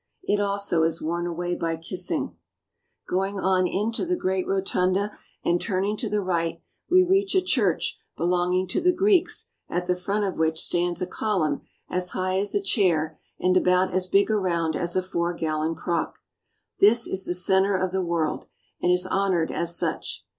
It also is worn away by kissing. Going on into the 49 THE HOLY LAND AND SYRIA great rotunda and turning to the right we reach a church belonging to the Greeks at the front of which stands a column as high as a chair and about as big. around as a four gallon crock. This is the centre of the world, and is honoured as such.